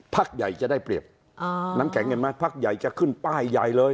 ใหญ่จะได้เปรียบน้ำแข็งเห็นไหมพักใหญ่จะขึ้นป้ายใหญ่เลย